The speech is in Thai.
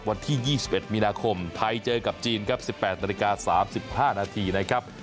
วันที่๒๑มีนาคมไทยเจอกับจีนครับ๑๘นาฬิกา๓๕นาทีนะครับ